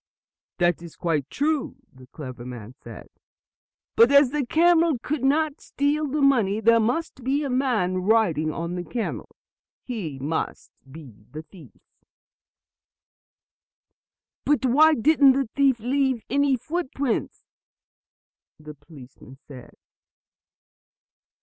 "That is quite true," the clever man said. "But as the camel could not steal the money, there must be a man riding on the camel. He must be the thief." "But why didn't the thief leave any footprints?" the policemen asked.